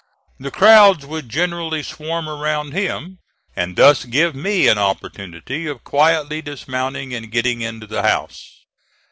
The crowds would generally swarm around him, and thus give me an opportunity of quietly dismounting and getting into the house.